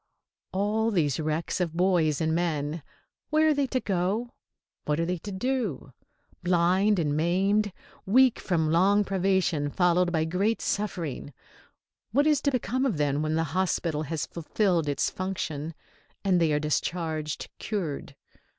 All these wrecks of boys and men, where are they to go? What are they to do? Blind and maimed, weak from long privation followed by great suffering, what is to become of them when the hospital has fulfilled its function and they are discharged "cured"?